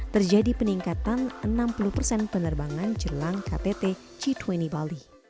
terjadi peningkatan enam puluh persen penerbangan jelang ktt g dua puluh bali